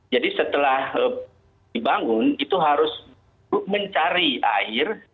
jadi setelah dibangun itu harus mencari air